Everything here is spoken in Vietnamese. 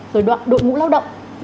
rồi đội ngũ lao động